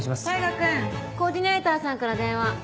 大牙君コーディネーターさんから電話。